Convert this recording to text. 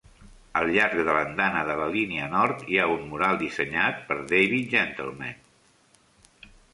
Al llarg de l'andana de la línia nord hi ha un mural dissenyat per David Gentleman.